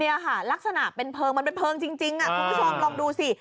นี่ค่ะลักษณะเป็นเพลิงมันเป็นเพลิงจริงคุณผู้ชมลองดูสิ